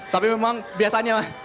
tapi memang biasanya